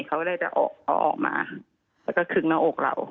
เขาได้จะออกเขาออกมาแล้วก็คึกหน้าอกเรา